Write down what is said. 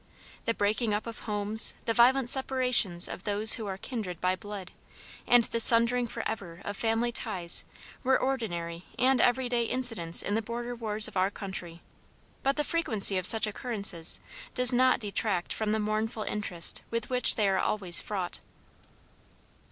The breaking up of homes, the violent separations of those who are kindred by blood, and the sundering for ever of family ties were ordinary and every day incidents in the border wars of our country: but the frequency of such occurrences does not detract from the mournful interest with which they are always fraught.